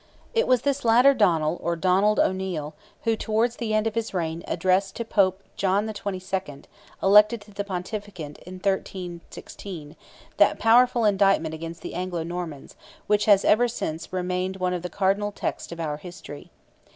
It was this latter Donnell or Donald O'Neil, who, towards the end of his reign, addressed to Pope John XXII. (elected to the pontificate in 1316) that powerful indictment against the Anglo Normans, which has ever since remained one of the cardinal texts of our history.